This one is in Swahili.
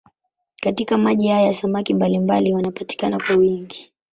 Katika maji hayo samaki mbalimbali wanapatikana kwa wingi.